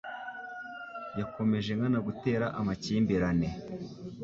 Yakomeje nkana gutera amakimbirane.